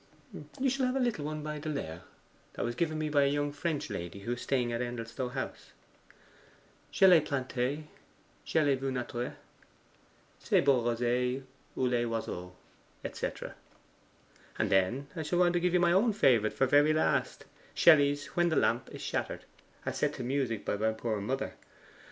'You shall have a little one by De Leyre, that was given me by a young French lady who was staying at Endelstow House: '"Je l'ai plante, je l'ai vu naitre, Ce beau rosier ou les oiseaux," &c. and then I shall want to give you my own favourite for the very last, Shelley's "When the lamp is shattered," as set to music by my poor mother.